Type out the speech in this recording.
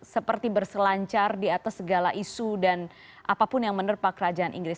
seperti berselancar di atas segala isu dan apapun yang menerpa kerajaan inggris